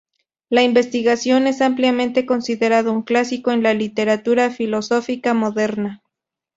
La "Investigación" es ampliamente considerado un clásico en la literatura filosófica moderna.